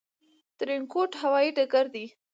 ترينکوټ هوايي ډګر دى